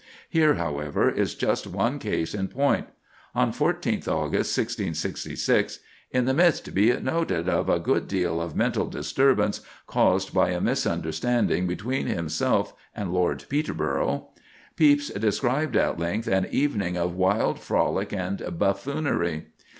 Here, however, is just one case in point. On 14th August, 1666,—in the midst, be it noted, of a good deal of mental disturbance caused by a misunderstanding between himself and Lord Peterborough,—Pepys describes at length an evening of wild frolic and buffoonery.